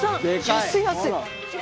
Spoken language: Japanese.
安い安い！